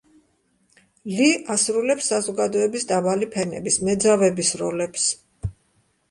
ლი ასრულებს საზოგადოების დაბალი ფენების, მეძავების როლებს.